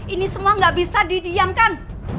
ini semua nggak bisa didiamkan